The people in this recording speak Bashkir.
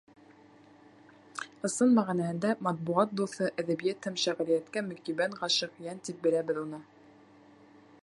Ысын мәғәнәһендә матбуғат дуҫы, әҙәбиәт һәм шиғриәткә мөкиббән ғашиҡ йән тип тә беләбеҙ уны.